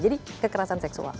jadi kekerasan seksual